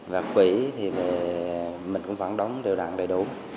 và quỹ thì mình cũng vẫn đóng điều đoạn đầy đủ